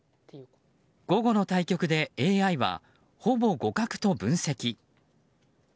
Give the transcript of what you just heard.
午後の対局でＡＩはほぼ互角と分析。